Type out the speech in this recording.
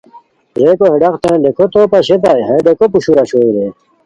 ریکو ہے ڈاق تان ڈیکو تو پاشئیتائے، ہیہ ڈیکو پوشور اوشوئے رے